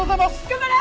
頑張れ！